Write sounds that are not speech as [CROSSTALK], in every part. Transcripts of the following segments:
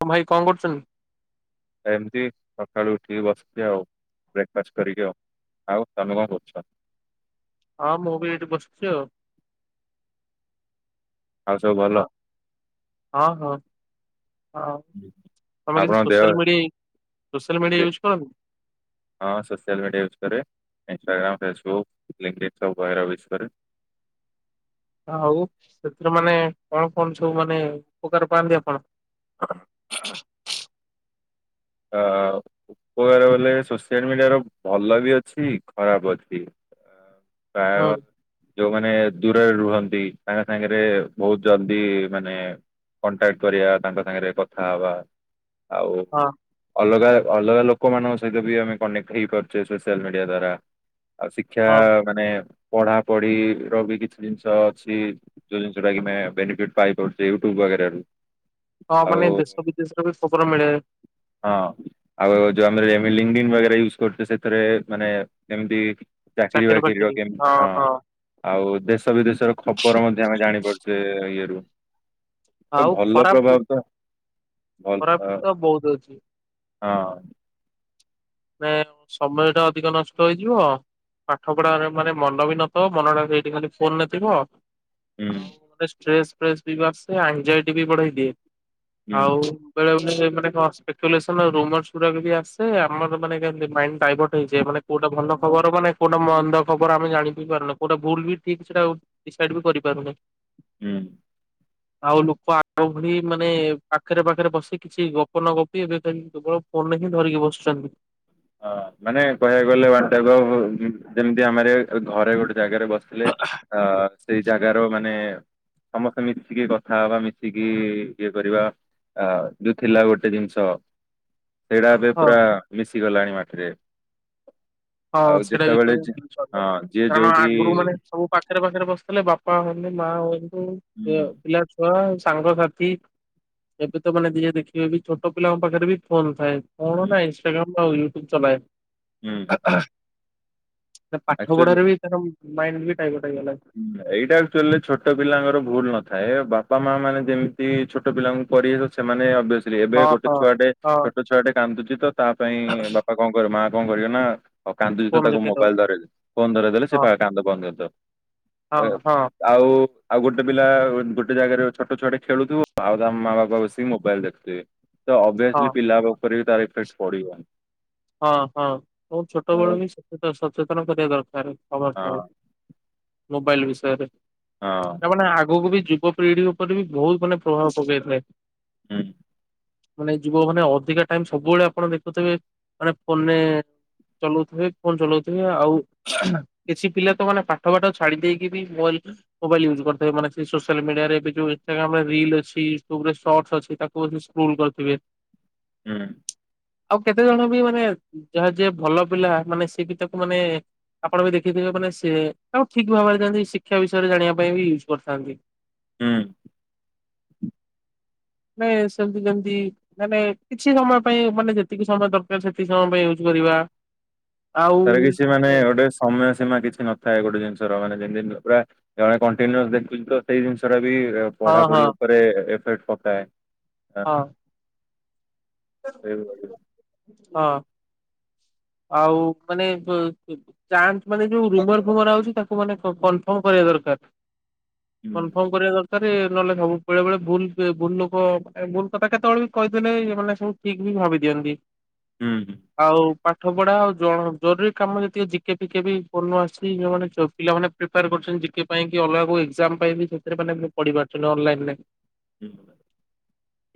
ତ ଭାଇ କଣ କରୁଚନ୍ତି? ଏମିତି ସକାଳୁ ଉଠିକି ବସିଛି ଆଉ। ବ୍ରେକ୍ଫାଷ୍ଟ କରିକି ଆଉ। ଆଉ ତମେ କଣ କରୁଛ? ହଁ ମୁଁ ବି ଏଇଠି ବସିଛି ଆଉ। ଆଉ ସବୁ ଭଲ? ହ ହଁ ହଁ। ହଁ ତମେ କିଛି ଆପଣଙ୍କ ଦେହ ସୋସିଆଲ ମିଡିଆ ସୋସିଲ ଦେ- ମିଡିଆ ୟୁଜ କରନି? ହଁ ସୋସିଆଲ ମିଡିଆ ୟୁଜ୍ କରେ। ଇନ୍ସଟାଗ୍ରାମ, ଫେସବୁକ୍, ଲିଙ୍କଦିନ ସବୁପ୍ରକାର ୟୁଜ୍ କରେ। ଆଉ ସେଥିରୁ ମାନେ କଣ କଣ ସବୁ ମାନେ ଉପକାର ପାଆନ୍ତି ଆପଣ? [UNINTELLIGIBLE] ହଁ। କହିବାକୁ ଗଲେ ସୋସିଆଲ ମିଡିଆର ଭଲ ବି ଅଛି ଖରାପ ଅଛି। ପ୍ରାୟ ହୁଁ ଯୋଉମାନେ ମାନେ ଦୂରରେ ରୁହନ୍ତି, ତାଙ୍ଗ ସାଙ୍ଗରେ ବହୁତ ଜଲଦି ମାନେ କଣ୍ଟାକ୍ଟ କରିବା ତାଙ୍କ ସାଙ୍ଗରେ କଥା ହବା ଆଉ ହଁ ଅଲଗା ଅଲଗା ଲୋକମାନଙ୍କ ସହିତ ବି ଆମେ କନେକ୍ଟ ହେଇପାରୁଛେ ସୋସିଆଲ ମିଡିଆ ଦ୍ଵାରା। ଆଉ ଶିକ୍ଷା ହଁ ମାନେ ପଢାପଢି ର ବି କିଛି ଜିନିଷ ଅଛି ଯୋଉ ଜିନିଷା କି ଆମେ ବେନିଫିଟ ପାଇପାରୁଚେ ୟୁଟୁବର ଏରା ରୁ ହଁ ମାନେ ଦେଶ ବିଦେଶରେ ବି ଖବର ମିଳେ। ହଁ। ଆଉ ଆମରେ ଏବେ ଲିଙ୍କଡିନ ୱାଗେରା ୟୁଜ କରୁଚେ ସେଥିରେ ମାନେ ଯେମତି ଚାକିରି ବାକିରି ର କେମ ହଁ। ଆଉ ଦେଶ ବିଦେଶର ଖବର ମଧ୍ୟ ଆମେ ଜାଣିପାରୁଚେ ଇଏରୁ। ତ ଆଉ ଭଲ ପ୍ରଭାବ ଖରାପ ତ ଭଲ ଖରାପ ତ ବହୁତ ଅଛି। ହଁ। ମେ ସମୟ ଟା ଅଧିକ ନଷ୍ଟ ହେଇଯିବ। ପାଠ ପଢାରେ ମାନେ ମନ ବି ନଥିବ ମନ ଟା ସେଇଠି ଖାଲି ଫୋନ ନେ ଥିବ। ହୁଁ ଆଉ ଗ ଷ୍ଟ୍ରେସ ଫ୍ରେସ ବି ଆସେ, ଆନ୍ଜାଇଟି ବି ବଢେଇ ଦିଏ। ହୁଁ ଆଉ କହିବାକୁ ଗଲେ ମାନେ କଣ ସ୍ପେକୁଲେଶନ ଆଉ ର୍ୟୁମରସ୍ ଗୁଡ଼ାକ ବି ଆସେ ଆ ଆମର ମାନେ କେମତି ମାଇଣ୍ଡ ଡାଇଭର୍ଟ ହେଇଯାଏ ମାନେ କୋଉଟା ଭଲ ଖବର ମାନେ କୋଉଟା ମନ୍ଦ ଖବର ଆମେ ଜାଣି ବି ପାରୁନୁ କୋଉ ଭୁଲ ବି ଠିକ ସେଟା ଡିସାଇଡ ବି କରିପାରୁନେ। ହୁଁ। ଆଉ ଲୋକ ଆଗ ଭଳି ମାନେ ପାଖରେ ପାଖରେ ବସି କିଛି ଗପ ନ ଗପି ଏବେ କିମିତି କେବଳ ଫୋନରେ ହିଁ ଧରିକି ବସୁଚନ୍ତି। ହଁ ମାନେ କହିବାକୁ ଗଲେ ୱାନ ଟାଇପ୍ ଅଫ୍ ଯେମିତି ଆମର ଘରେ ଗୋଟେ ଜାଗାରେ ବସିଥିଲେ ତ ସେଇ ଜାଗାର ମାନେ ସମସ୍ତେ ମିଶିକି କଥା ହବା ମିଶିକି ଇଏ କରିବା ଆ ଯୋଉ ଥିଲା ଗୋଟେ ଜିନିଷ ସେଇଟା ଏବେ ହଁ ପୁରା ମିଶି ଗଲାଣି ମାଟିରେ। ହଁ ଆଉ ସେଇଟା ବି ଯେତେବେଳେ କହିବା ଯି- ହଁ [UNINTELLIGIBLE] ଯିଏ କାରଣ ଯୋଉଠି ଆଗରୁ ମାନେ ସବୁ ପାଖରେ ପାଖରେ ବସିଥିଲେ ବାପା ମମି ମା ହଉ ଏ ହୁଁ ପିଲା ଛୁଆ ସାଙ୍ଗସାଥି ଏବେ ତ ମାନେ ଯିଏ ଦେଖିବେ ବି ଛୋଟ ପିଲାଙ୍କ ପାଖରେ ବି ଫୋନ ଥାଏ। ମୋର ହୁଁ ନାଇ ଇନଷ୍ଟା ଗ୍ରାମ୍ ଆଉ ୟୁଟ୍ୟୁବ ଚଲାଏ। ହୁଁ [UNINTELLIGIBLE] ପାଠ ଆକ୍ଚୁଆଲି ପଢାରେ ବି ତାର ମାଇଣ୍ଡ ବି ଡାଇଭର୍ଟ ହେଇଗଲା ଏଇଟା ଆକ୍ଚୁଆଲି ଛୋଟ ପିଲାଙ୍କର ଭୁଲ ନଥାଏ ବାପ ବାପା ମା ମାନେ ଯେମିତି ଛୋଟ ପିଲାଙ୍କୁ ପରି ସେମାନେ ଅଭ ଏବେ ହଁ ଗୋଟେ ହଁ ଛୁଆଟେ ହଁ ଛୋଟ ଛୁଆଟେ କାନ୍ଦୁଚି ତ ତା ପାଇଁ ବାପା କଣ କରିବ ମା କଣ କରିବ ନା ଆଉ କାନ୍ଦୁଚି ତ ଫୋନ ତାକୁ ଦେଖେଇଦବ ମୋବାଇଲ ଧରେଇ ଦେ ଫୋନ ଧରେଇ ଦେଲେ ସେ ହଁ କାନ୍ଦ ବନ୍ଦ କରିଦବ। ହଁ ହଁ ଆଉ ଆଉ ଗୋଟେ ପିଲା ଗୋଟେ ଜାଗାରେ ଛୋଟ ଛୁଆଟେ ଖେଳୁଥିବ, ଆଉ ତା ମା ବାପା ବସିକି ମୋବାଇଲ ଦେଖୁଥିବେ। ତ ହଁ ଅଭିଅସଲି ପିଲା ଉପରେ ବି ତାର ଇଫେକ୍ଟ ପଡିବ। ହଁ ହଁ ବହୁ ଛୋଟବେେଳୁ ହଁ ବି ସଚେତନ କରିବା ଦରକାର। [UNINTELLIGIBLE] ମୋବାଇଲ ବିଷୟରେ ହଁ ତାମାନେ ଆଗକୁ ବି ଯୁ ଯୁବ ପିଢି ଉପରେ ବି ବହୁତ ମାନେ ପ୍ରଭାବ ପକାଇଥିଏ। ହୁଁ। ମାନେ ଯୁବ ମାନେ ଅଧିକା ଟାଇମ ସବୁବେଳେ ଆପଣ ଦେଖୁଥିବେ ମାନେ ଫୋନ୍ ରେ ଚଲଉଥିବେ ଫୋନ ଚଲଉଥିବେ ଆଉ କିଛି ପିଲା ତ ମାନେ ପାଠ ଫାଠ ଛାଡି ଦେଇେଇକି ବି ମୋବାଇଲ ମୋବାଇଲ ୟୁଜ୍ କରୁଥିବେ ମାନେ ସୋସିଆଲ ଏବେ ଯୋଉ ଇନଷ୍ଟାଗ୍ରାମ୍ ରୀଲ୍ ଅଛି ୟୁଟୁଭୁରେ ସଟ୍ସ ଅଛି ତାକୁ କହୁ ସ୍କୁଲ କରିଥିବେ। ହୁଁ। ଆଉ କେତେ ଜଣ ବି ମାନେ ଯାହା ଯିଏ ଭଲ ପିଲା ମାନେ ସଏ ବି ତାକୁ ମାନେ ଆପଣ ବି ଦେଖିଥିବେ ମାନେ ସେ ଆଉ ଠିକ ଭାବରେନ୍ତି ଶିକ୍ଷା ବିଷୟରେ ଜାଣିବା ପାଇଁ ବି ୟୁଜ୍ କରିଥାନ୍ତି। ହୁଁ। ନାଇ ସେମତି ଯେମତି ମାନେ କିଛି ସମୟ ପାଇଁ ମାନେ ଯେତିକି ସମୟ ଦରକାର ସେତିି ସମୟ ପାଇଁ ୟୁଜ୍ କରିବା। ଆଉ ତାର କିଛି ମାନେ ଗୋଟେ ସମୟ ସୀମା କିଛି ନଥାଏ ଗୋଟେ ଜିନିଷ। ଧର ମାନେ ଯେମିତି ପୁରା ଜଣେ କନ୍ତିନିଅସ ଦେଖୁଛି ତ ସେଇ ଜିନିଷ ଟା ବି ବି ହଁ ପଢାପଢି ହଁ ଉପରେ ଏଫେକ୍ଟ ପକାଏ। ହଁ। ଏଇ। ହଁ। ଆଉ ମାନେ ଅ ଫ୍ୟାନସ୍ ମାନେ ଯୋଉ ରୁମର ଫୁମର ଆଉଛି ତାକୁ ମାନେ କନଫର୍ମ କରିବା ଦରକାର। ହୁଁ କନଫର୍ମ କରିବା ଦରକାର। ସତରେ ନହେଲେ ସବୁ ବେଳେବେଳେ ଭୁଲ ଭୁଲ ଲୋକ ଭୁଲ କଥା କେତେବେଳେ ବି କହିଦେଲେ ଇଏ ମାନେ ସବୁ ଠିକ ବି ଭାବି ଦିଅନ୍ତି ହୁଁ ଆଉ। ପାଠ ପଢା ଆଉ ଜ ଜରୁରୀ କାମ ଯେତିକି ଜିକେ ପିକେ ବି ଭଲ ଆସିଛି ପିଲାମାନେ ପ୍ରିପେୟାର କରିଛ ଜି କେ ପାଇଁ କି ଅଲଗା କୋଉ ଏକଜା, ମ ପାଇଁ ସେ ପଢାରୁ [UNINTELLIGIBLE] ହ।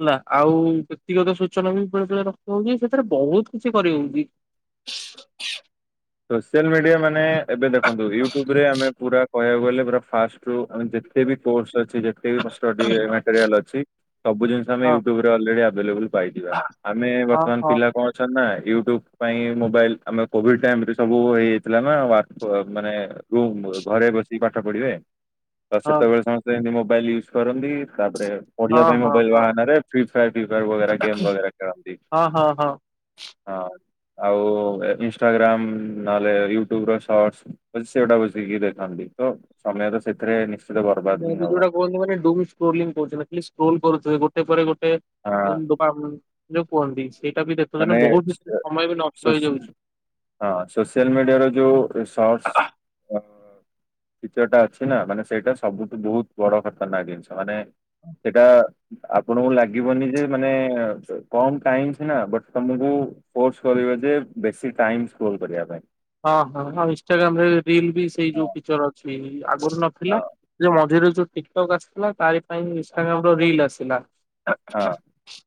ହେଲା ଆଉ ବ୍ୟକ୍ତିଗତ ସୂଚନା ବି ବେଳେବେଳେ ହଉଛି ସେ ସେଥିରେ ବହୁତ କିଛି କରି ହଉଛି। ସୋସିଆଲ ମିଡିଆ ମାନେ ଏବେ ଦେଖନ୍ତୁ ୟୁଟୁବରେ ଆମେ ପୁରା କହିବାକୁ ଗଲେ ଫାଷ୍ଟ [UNINTELLIGIBLE] ଯେତେ ବି କୋର୍ସ ଅଛି ଯେତେ ବି ଷ୍ଟଡି ମ୍ୟାଟେରିଆଲ ଅଛି ସବୁ ଜିନିଷ ଆମେ ହଁ ୟିଉଟୁବ ରୁ ଅଲରେଡି ଆଭେ ଆଭେଲେବଲ ପାଇିଯିବା ହଁ ଆମେ ବର୍ତ୍ତମାନ ହଁ ପିଲା କଣ ଅଛନ୍ତି ନା। ୟୁଟ୍ୟୁବ ପାଇଁ ମୋବାଇଲ ଆମେ ବୋହୁତ ଟାଇମରେ ସବୁ ହେଇଯାଇଥିଲା ନା ମାନେ ଯୋଉ ଘରେ ବସିକ ପାଠ ପଢିବେ। ତ ହଁ ସେତେବେଳେ ସମସ୍ତେ ଏମିତି ମୋବାଇଲ ୟୁଜ୍ କରନ୍ତି ତା ରେ ହଁ ପଢିବାପାଇଁ ହଁ ମୋବାଇଲ ହଁ ବାହନରେ ପ୍ରି ଫାୟର ବଗେର ଗେମ୍ ବଗେରା ଖେଳନ୍ତି। ହଁ ହଁ ହଁ। ହଁ ଆଉ ଇନଷ୍ଟାଗ୍ରାମ ନହେଲେ ୟୁଟ୍ୟୁବ ର ସଟ ସେଗୁଟା ବୁସିକି ଦେଖନ୍ତି ତ ସମୟ ତ ସେଥିରେ ବର୍ବାଦ [UNINTELLIGIBLE] ହିଁ ହବ। ସ୍କ୍ରୋଲ କରୁଥିବେ ଗୋଟେ ପରେ ଗୋ ହଁ ଦୋକାନ ଯୋଉ କୁହନ୍ତି। ସେଇଟା ବି ଦେଖୁଛନ୍ତିୁ ମାନେ ବୋହୁତରେ ସମୟ ବି ନଷ୍ଟ ସୋସି ହେଇଯାଉଛି। ହଁ ସୋସିଆଲ ମିଡିଆରେ ଯୋଉ ସଟ ଫିଚର ଟା ଅଛି ନା ମାନେ ସେଇଟା ସବୁଠୁ ବୋହୁତ ବଡ ଖତରନାକ ଜିନିଷ ମାନେ ସେଟା ଆପଣଙ୍କୁ ଲାଗିବନି ଯେ ମାନେ କମ ଟାଇମ ସିନା ବଟ୍ ତମକୁ ଫୋର୍ସ କରିବ ଯେ ବେଶୀ ଟାଇମ୍ ସ୍କ୍ରୋଲ କରିବା ପାଇଁ। ହଁ ହଁ ଆଉ ଇନଷ୍ଟାଗ୍ରାମ୍ ରେ ରିଲ ବି ସେଇ ଯୋଉ ହଁ ଫଚର ଅଛି। ନଥିଲା ହଁ ଯେ ମଝିରେ ଯୋଉ ଟିକଟକ୍ ଆସିଥିଲା ତାରି ପାଇଁ ଇନଷ୍ଟାଗ୍ରମ୍ ର ରିଲ ଆସିଲା। ହଁ [UNINTELLIGIBLE]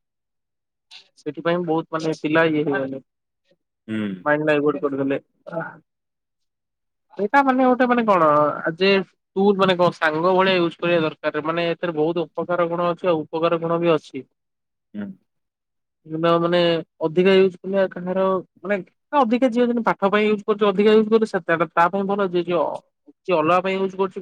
ସେଥିପାଇଁ ବୋହୁତ ମାନେ ପିଲା ଇଏ ହେଇଗଲେ ହୁଁ ମାଇ ଗୋଟେ ତ [UNINTELLIGIBLE] ଏଇଟା ମାନେ ଗୋଟେ ମାନେ କଣ ଆଜି ତୁ ମାନେ କଣ ସାଙ୍ଗ ଭଳିଆ ୟୁଜ୍ କରିବା ଦରକାରେ ମାନେ ଏଥିରେ ବୋହୁତ ବୋହୁତ ଅପକାର ଗୁଣ ଅଛି, ଆଉ ଉପକାର ଗୁଣ ବି ଅଛି। ହୁଁ। କିମ୍ବା ମାନେ ଅଧିକା ୟୁଜ କଲେ କାହାର ମାନେ ଅଧିକା ଝିଅ କିନ୍ତୁ ପାଠ ପାଇଁ ୟୁଜ କରୁଚ ଅଧିକା ୟୁଜ୍ ତା ପାଇଁ ଭଲ ଯିଏ ଅଲଗା ପାଇଁ ୟୁଜ୍ କରୁଚି।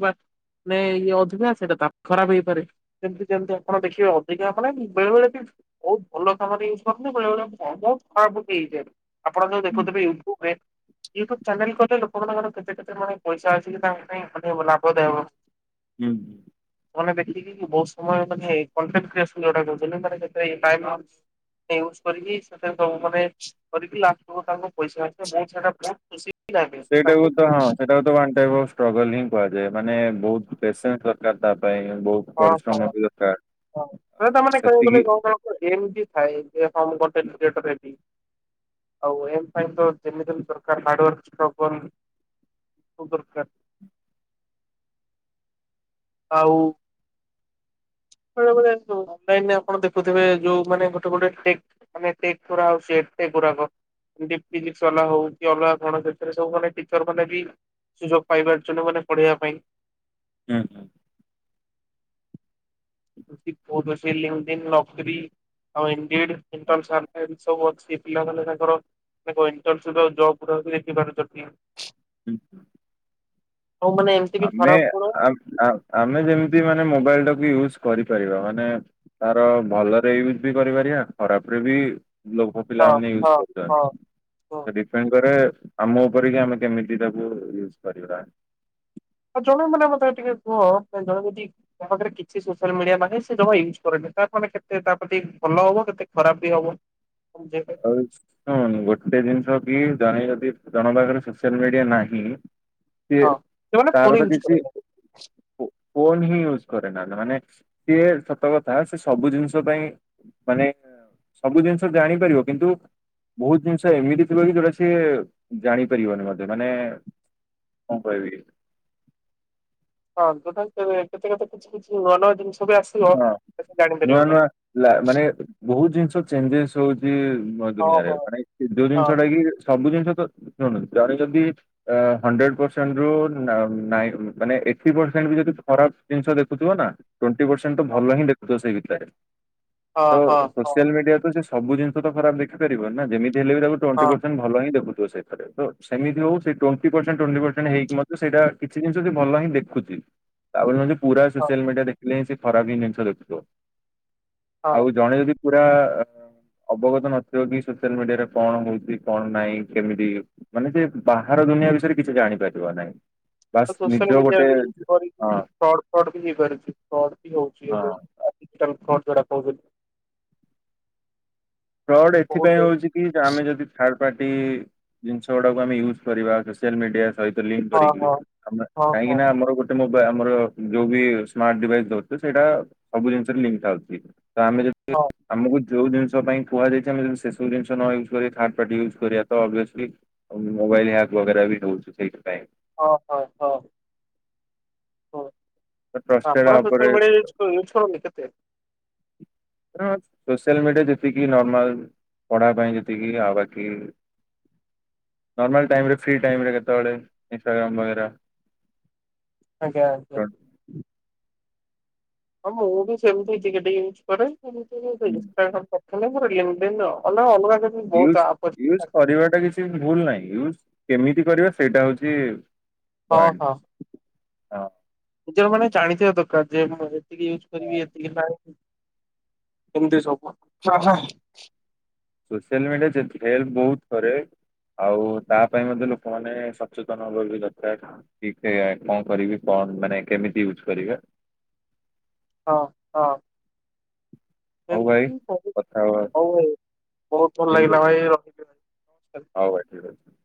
ନା ଇଏ ଅଧିକା ସେଇଟା ତା ପାଇଁ ଖରାପ ହେଇପାରେ ଯେମିତି ଯେମିତି ଆପଣ ଦେଖିବେ ଅଧିକା ମାନେ ବେଳେ ବେଳେ ବି। ହଉ। ଭଲ କାମ ୟୁଜ କରନ୍ତି, ବେଳେ ବେଳେ ବୋହୁତ ଖରାପ ହେଇଯାଏ, ଆପଣ ଯୋଉ ହୁଁ ଦେଖୁଥିବେ ୟୁଟ୍ୟୁବ ରେ ୟୁଟ୍ୟୁବ ଚ୍ୟାନେଲ କହିଲେ ଲୋକମାନଙ୍କର କେତେ କେତେ ମାନେ ପଇସା ଆସିକି ତାଙ୍କ ପାଇଁ ଲାଭ ଦାୟ ହେବ। ହୁଁ। ମାନେ ଦେଖିକି ବହୁତ ସମୟ ମାନେ କଣ୍ଟେଟ କ୍ରୀଏସ ନ ଯୋଉଟା କହୁଛନ୍ତି ମାନେ ଯେତେ ଟାଇମ୍ ୟୁଜ କରିକି ସେଥିରେ ସବୁ ମାନେ କରିକି ଲାଷ୍ଟ କୁ ତାଙ୍କୁ ପଇସା ଆସିବ ବହୁତ ସାରା ବହୁତ ଖୁସି। ବି ଲାଗେ ସେଇଟାକୁ ତାଙ୍କୁ। ତ ହଁ ସେଇଟାକୁ ତ ୱାନ ଟାଇମ ଅଫ ଷ୍ଟ୍ରଗଲ ହିଁ କୁହାଯାଏ ମାନେ ବହୁତ ପେସେନ୍ସ ଦରକାର ତା ପାଇଁ ବହୁତ ହଁ ହଁ ପରିଶ୍ରମ ବି ଦରକାର। ହଁ ଆଉ ତା ମାନେ କହିବାକୁ ସେତିକି ଗଲେ ଜଣ ଜଣ ଙ୍କୁ ଏମିତି ଥାଏ ଯେ ହଁ ମୁଁ କଣ୍ଟେନ କ୍ରୀଏଟର ହେବି। ଆଉ ଏମ ଫାଇପ ତ ଯେମିତି ହେଲେ ଦରକାର ହାର୍ଡୱାର [INAUDIBLE] [INAUDIBLE] ଦରକାର। ଆଉ, ବେଳେବେଳେ ଅନଲାଇନ ରେ ଆପଣ ଦେଖୁଥିବେ ଯୋଉ ମାନେ ଗୋଟେ ଗୋଟେ ଟେକ ମାନେ ଟେକ କରାହଉଛି ଗୁଡାକ ଫିଜିକ୍ସ ବାଲା ହଉ ଅଲଗା କଣ ସେଥିରେ ସବୁ ମାନେ ଟିଚର ମାନେ ବି ସୁଯୋଗ ପାଇବାରୁଛନ୍ତି ମାନେ ପଢିବା ପାଇଁ ହୁଁ ହୁଁ, ସେ ଲେନ ଦେନ ନକ୍ରୀ ଆଉ [INAUDIBLE] ସବୁ ଅଛି। ପିଲାମାନେ ତାଙ୍କର ଇନଟର୍ଣ୍ଣସିପ ର ଜବ ଗୁଡାକ ଦେଖି ପାରୁଛନ୍ତି। ହୁଁ ହୁଁ ଆଉ ମାନେ ଏମିତି ବି ଆମେ ଖରାପ ଗୁଣ ଆମେ ଯେମିତି ମାନେ ମୋବାଇଲଟାକୁ ୟୁଜ କରିପାରିବା ମାନେ ତାର ଭଲରେ ୟୁଜ ବି କରିପାରିବା ଖରାପରେ ବି ଲୋକ ହଁ ପିଲାମାନେ ୟୁଜ୍ ହଁ ହଁ କରୁଛନ୍ତି ହଁ। ତ ଡିପେଣ୍ଡ କରେ ଆମ ଉପରେ କି ଆମେ କେମିତି ତାକୁ ୟୁଜ କରିବା ଆଉ ଜଣେ ମାନେ ମତେ ଟିକେ କୁହ ଜଣେ ଯଦି ତା ପାଖରେ କିଛି ସୋସିଆଲ ମିଡିଆ ନାହିଁ ସେ ଜମା ୟୁଜ୍ କରେନି। ମାନେ କେତେ ତା ପ୍ରତି ଭଲ ହବ କେତେ ଖରାପ ବି ହବ। ବୁଝେଇବେ। ହଉ ହଁ ଗୋଟେ ଗୋଟେ ଜିନିଷ କି ଜଣେ ଯଦି ଜଣକ ପାଖରେ ସୋସିଆଲ ମିଡିଆ ନାହିଁ ସିଏ ହଁ ସେମାନେ ଫୋନ ତାରତ ୟୁଜ କିଛି କରେନି। ଫୋନ ହିଁ ୟୁଜ୍ କରେ ନା ମାନେ ସିଏ ସତ କଥା ସେ ସବୁ ଜିନିଷ ପାଇଁ ମାନେ ସବୁ ଜିନିଷ ଜାଣିପାରିବ କିନ୍ତୁ ବହୁତ ଜିନିଷ ଏମିତି ଥିବ କି ଯୋଉଟା ସିଏ ଜାଣିପାରିବନି ମତେ ମାନେ କଣ କହିବି [INAUDIBLE] ହଁ ଯୋଉଟା କି କେବେ କେତେ କେତେ କିଛି କିଛି ନୂଆ ନୂଆ ଜିନିଷ ବି ଆସିବ ହଁ ସେ ନୂଆ ଜାଣିପାରିବନି। ନୂଆ ମାନେ ବହୁତ ଜିନିଷ, ଚେଞ୍ଜେସ ହଉଛି ହଁ ଦୁନିଆରେ ହଁ ମାନେ ଯୋଉ ଜିନିଷ ହଁ କି ସବୁ ଜିନିଷ ଯାହାର ଯଦି ହଣ୍ଡେଡ ପସେଣ୍ଟ ରୁ ମାନେ ଏଇଟି ପର ଖରାପ ଜିନିଷ ଦେଖୁଥିବ ନା ଟ୍ୱେଣ୍ଟି ପସେଣ୍ଟ ତ ଭଲ ହିଁ ଦେଖୁଥିବ ସେଇ ଭିତରେ ହଁ ତ ହଁ ହଁ ହଁ ସୋସିଆଲ ମିଡିଆ ରେ ତ ସେ ସବୁ ଜିନିଷ ତ ଖରାପ ଦେଖିପାରିବ ନା ଯେମିତି ହେଲେ ବି ତାକୁ ଟେଣ୍ଟି ହଁ ପସେଣ୍ଟ ଭଲ ହି ଦେଖୁ ଥିବ। ସେଥିରେ ତ ସେମିତି ହଉ ସେ ଟ୍ୱେଣ୍ଟି ପସେଣ୍ଟ ଟ୍ୱେଣ୍ଟି ହେଇକି ମଧ୍ୟ ସେଇଟା କିଛି ଜିନିଷ ଭଲ ହିଁ ଦେଖୁଛି। ତାପରେ ନଯିବି ପୁରା ହଁ। ସୋସିଆଲ ମିଡିଆ ଦେଖିଲେ ହିଁ ସେ ଖରାପ ଜିନିଷ ଦେଖୁଥିବ ହଁ। ଆଉ ଜଣେ ଯଦି। ପୁରା ଅବଗତ ନଥିବ କି ସୋସିଆଲ ମିଡିଆରେ କଣ ହଉଛି କଣ ନାହିଁ କେମିତି ମାନେ ଯେ ବାହାର ଦୁନିଆ ବିଷୟରେ କିଛି ଜାଣି ପାରିବ ନାହିଇଁ। ସୋଶଲ ମିଡିଆ ଫ୍ରଡ଼ ହଁ ଫ୍ରଡ଼ ଫଡ଼ ହଉଛି ହଁ। ଏବେ ଆଟା କଣ ଟତ ହେଲା କହୁଥିଲି। ଫଡ଼ ଏଥିପାଇଁ ହଉଛି କି ଆମେ ଯଦି ଜିନିଷ ଗୁଡା ଆମେ ୟୁଜ କରିବା ସୋଆଲ ମିଡିଆ ସହିତ ିମେ ହଁ ହଁ ହଁ କାହିଁକି ହଁ ନା ଆମର ଗୋଟେ ମୋ ଆମର ଯୋଉ ସ୍ମାର୍ଟ ଡିଭାଇସ ସେଇଟା ସବୁ ଜିନିଛି। ତ ଆମେ ଯଦି ହଁ ଆମକୁ ଯଉ ଜିନିଷ ପାଇଁ। କୁହାଯାଇଛି ଆମେ ସେ ସବୁ ଜିନିସ ନ ୟୁଜ କରି ଥାଡପାଟି ୟୁଜ କରିବା ତ ଅଭିଅସଲି ମୋବାଇଲ ହ୍ୟାକ ବଗେରା ବି ହଉଛି ସେଇଥିପାଇଁ। ଅ ହ ହ। ହୋ ତ ଟ୍ରଷ୍ଟେଡ୍ ଆପଣ ଉପରେ ସୋସିଆଲ ମିଡିଆ ୟୁଜ କ ୟୁଜ କରନ୍ତି କେତେ। ସୋସିଆଲ ମିଡିଆ ଯେତିକିି ନର୍ମାଲ। ପଢା ପାଇଁ ଯେତିକି ଆଉ ବାକି। ନର୍ମାଲ ଟାଇମ ରେ ଫ୍ରି ଟାଇମ ରେ କେତେ ବେଳେ ଇନଷ୍ଟାଗ୍ରାମ ବଗେରା। ଆଜ୍ଞା ଆଜ୍ଞା। ହଁ ମୁଁ ବି ସେମିତି ଟିକେ ଟିକେ ୟୁଜ୍ କରେ ସେମିତି ଇନଷ୍ଟାଗ୍ରାମ ଖାଲି ଲିମିଟେଡ଼ ଆଉ ନଲେ ଅଲଗା। କେମିତି ବହୁତ ୟୁଜ ଆପ୍ ଅଛି। ୟୁଜ କରିବାଟା କିଛି ଭୁଲ ନାହିଁ ୟୁଜ। କେମିତି କରିବା ସେଇଟା ହଉଛି ହଁ ପଏଣ୍ଟ ହଁ। ନିଯେ ମାନେ ଜାଣିଥିବା ଦରକାର ଯେ ମୁଁ ଏତିକି ୟୁଜ ହଁ କରିବି ଏ ନାଇ। ଏମତି ସବୁ ହା ହା। ସୋସିଆଲ ମିଡିଆ ଯେତି ହେଲ୍ପ ବହୁତ କରେ। ଆଉ ତା ପାଇଁ ମଧ୍ୟ ଲୋକମାନେ ସଚେତନ ହବା ବି ଦରକାର କି କେ କଣ କରିବି କଣ। ମାନେ କେମିତି ୟୁଜ କରିବେ। ହଁ ହଁ। ହଉ ଭାଇ ଏମତି ବହୁତ୍ କଥା ହବା ହଉ ହଉ ବହୁତ ଭଲ ଠିକ ଲାଗିଲା ଅଛି ଭାଇ ରଖୁଚି ଭାଇ। ନମସ୍କାର। ହଉ ଭାଇ ଠିକ ଅଛି।